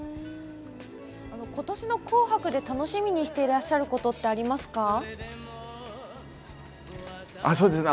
ことしの「紅白」で楽しみにしていらっしゃることありますか。